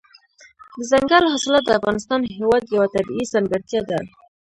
دځنګل حاصلات د افغانستان هېواد یوه طبیعي ځانګړتیا ده.